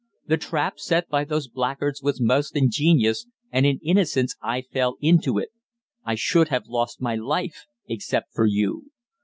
The trap set by those blackguards was most ingenious, and in innocence I fell into it. I should have lost my life except for you.